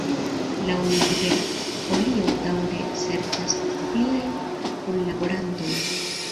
Laŭ li Libera Folio daŭre serĉas pliajn kunlaborantojn.